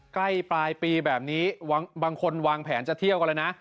ใกล้ปลายปีแบบนี้บางคนวางแผนจะเที่ยวกันแล้วนะ